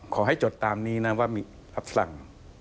ขอให้จดตราบนี้นะว่าที่มีรับสั่ง